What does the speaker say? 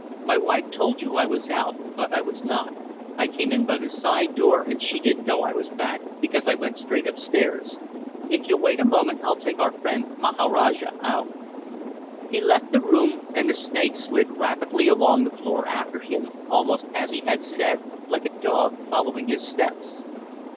My wife told you I was out, but I was not. I came in by the side door, and she didn't know I was back, because I went straight upstairs. If you'll wait a moment I'll take our friend 'Maharaja' out." He left the room, and the snake slid rapidly along the floor after him, almost, as he had said, like a dog following his steps.